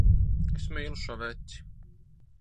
Es mīlu šo veci.